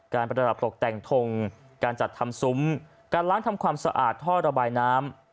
ประดับตกแต่งทงการจัดทำซุ้มการล้างทำความสะอาดท่อระบายน้ำ